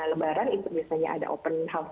lebaran itu biasanya ada open house